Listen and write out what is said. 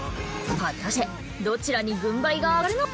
果たしてどちらに軍配があがるのか。